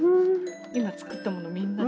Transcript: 今作ったものみんなで。